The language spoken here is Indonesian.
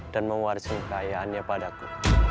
dan mewarisi kekayaannya padaku